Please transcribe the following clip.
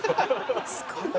「すごいな」